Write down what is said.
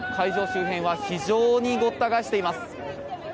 周辺は非常にごった返しています。